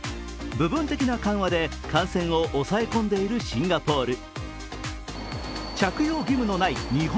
部分的な緩和で感染を抑え込んでいるシンガポール。